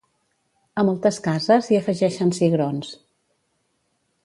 A moltes cases, hi afegeixen cigrons.